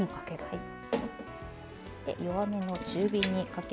はい。